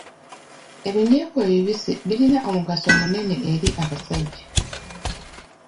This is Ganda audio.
Ebinyeebwa ebibisi birina omugaso munene eri abasajja.